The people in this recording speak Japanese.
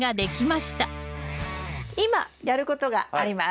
今やることがあります。